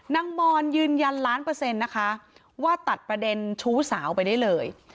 มอนยืนยันล้านเปอร์เซ็นต์นะคะว่าตัดประเด็นชู้สาวไปได้เลย